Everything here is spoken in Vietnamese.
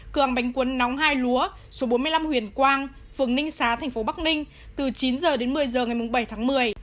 cường bánh cuốn nóng hai lúa số bốn mươi năm huyền quang phường ninh xá thành phố bắc ninh từ chín h đến một mươi h ngày bảy tháng một mươi